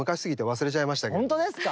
本当ですか？